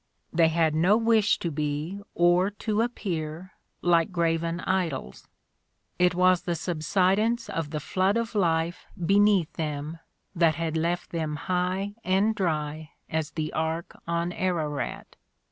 They had no wish to be, or to appear, like graven idols; it was the subsidence of the flood of life beneath them that had left them high and dry as the ark on Ararat.